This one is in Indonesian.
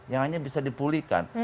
yang hanya bisa dipulihkan